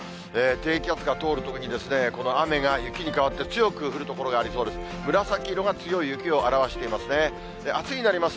低気圧が通るときに、この雨や雪に変わって強く降る所がありそうです。